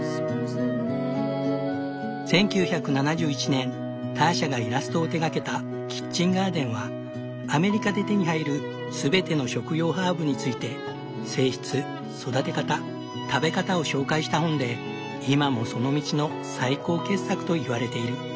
１９７１年ターシャがイラストを手がけた「キッチンガーデン」はアメリカで手に入る全ての食用ハーブについて性質育て方食べ方を紹介した本で今もその道の最高傑作と言われている。